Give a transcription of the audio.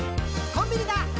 「コンビニだ！